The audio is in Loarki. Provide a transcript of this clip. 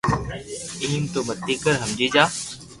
ايم تو متي ڪر ھمجي جا